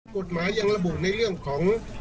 กฎหมายยังระบุในเรื่องของ